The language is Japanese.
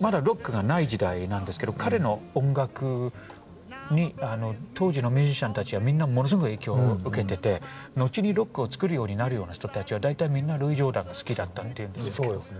まだロックがない時代なんですけど彼の音楽に当時のミュージシャンたちがみんなものすごく影響を受けてて後にロックを作るようになるような人たちは大体みんなルイ・ジョーダンが好きだったって言うんですけど。